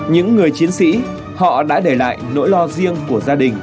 những người chiến sĩ họ đã để lại nỗi lo riêng của gia đình